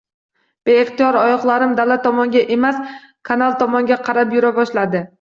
Beixtiyor oyoqlarim dala tomonga emas, kanal tomonga qarab yura boshladi